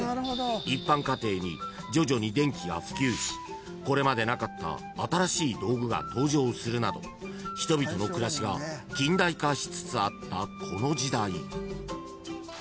［一般家庭に徐々に電気が普及しこれまでなかった新しい道具が登場するなど人々の暮らしが近代化しつつあったこの時代］